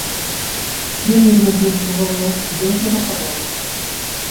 Я мірна з ім спрабаваў, ён правакаваў.